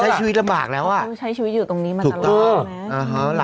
ใช้ชีวิตลำบากแล้วอ่ะต้องใช้ชีวิตอยู่ตรงนี้มาตลอดใช่ไหม